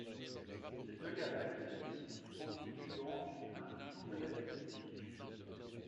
Ces deux galaxies constituent donc un doublet optique.